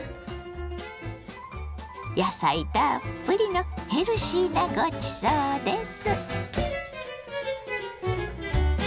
野菜たっぷりのヘルシーなごちそうです。